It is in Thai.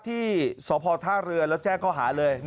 ที่สพท่าเรือแล้วแจ้งเขาหาเลย